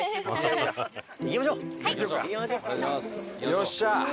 よっしゃ！